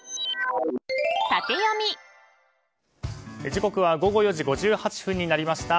時刻は午後４時５８分になりました。